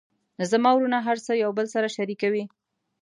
زما وروڼه هر څه یو بل سره شریکوي